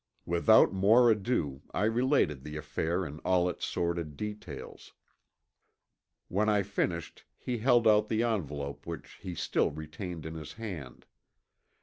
Without more ado I related the affair in all its sordid details. When I finished he held out the envelope which he still retained in his hand.